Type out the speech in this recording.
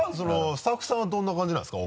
スタッフさんはどんな感じなんですか？